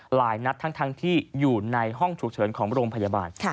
หลายนัดทั้งที่อยู่ในห้องฉุกเฉินของโรงพยาบาล